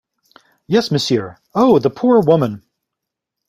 Yes, monsieur — oh, the poor woman!